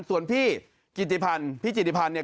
ส่วนพี่กิติพันธ์พี่จิติพันธ์เนี่ย